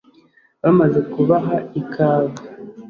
bamaze kubaha ikawa